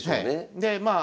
でまあ